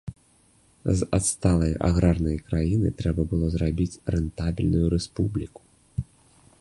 З адсталай аграрнай краіны трэба было зрабіць рэнтабельную рэспубліку.